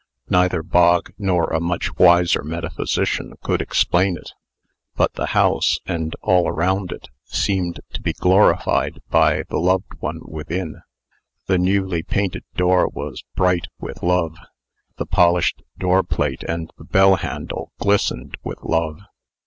Neither Bog nor a much wiser metaphysician could explain it; but the house, and all around it, seemed to be glorified by the loved one within. The newly painted door was bright with love; the polished doorplate and bell handle glistened with love.